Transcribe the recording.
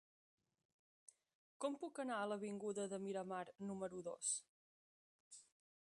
Com puc anar a l'avinguda de Miramar número dos?